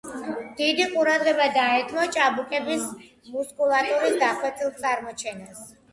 დიდი ყურადღება დაეთმო ჭაბუკების მუსკულატურის დახვეწილ წარმოჩენას.